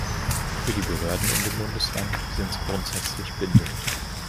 Für die Behörden in dem Bundesland sind sie grundsätzlich bindend.